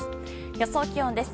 予想気温です。